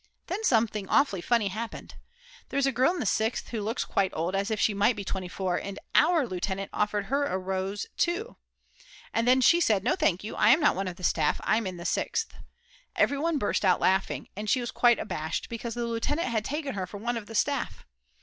Then something awfully funny happened. There is a girl in the Sixth who looks quite old, as if she might be 24, and "our" lieutenant offered her a rose too. And then she said: "No thank you, I am not one of the staff, I'm in the Sixth." Everyone burst out laughing, and she was quite abashed because the lieutenant had taken her for one of the staff.